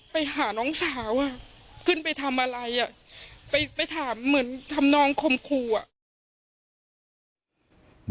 ไปหาน้องสาวอ่ะขึ้นไปทำอะไรอ่ะไปถามเหมือนทำนองคมครูอ่ะ